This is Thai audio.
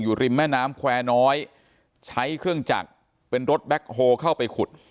ริมแม่น้ำแควร์น้อยใช้เครื่องจักรเป็นรถแบ็คโฮลเข้าไปขุด